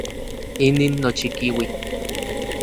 Inin nochikiui.